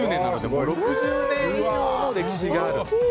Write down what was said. もう６０年以上の歴史がある。